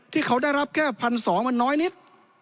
ที่เขาได้รับแค่๑๒๐๐มันน้อยนิด